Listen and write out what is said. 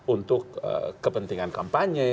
untuk kepentingan kampanye